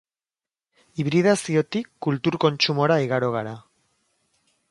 Hibridaziotik kultur kontsumora igaro gara.